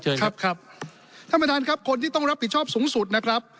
ครับครับท่านประธานครับคนที่ต้องรับผิดชอบสูงสุดนะครับ